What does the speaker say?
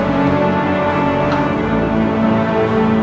makanya kayaknya tidak saja